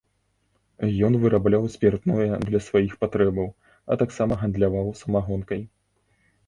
Ён вырабляў спіртное для сваіх патрэбаў, а таксама гандляваў самагонкай.